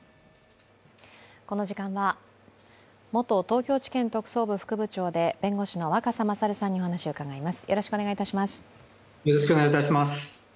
この時間は元東京地検特捜部副部長で弁護士の若狭勝さんにお話を伺います。